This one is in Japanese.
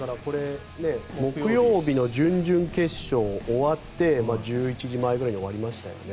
木曜日の準々決勝が終わって１１時前ぐらいに終わりましたよね。